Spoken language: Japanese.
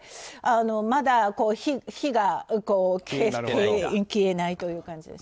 まだ火が消えないという感じで。